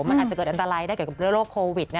มันอาจจะเกิดอันตรายได้เกี่ยวกับเรื่องโรคโควิด